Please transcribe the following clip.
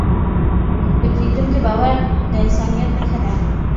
د پیرودونکي باور د انسانیت نښه ده.